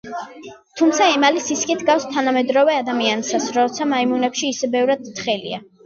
თუმცა ემალი სისქით ჰგავს თანამედროვე ადამიანისას, როცა მაიმუნებში ის ბევრად თხელია.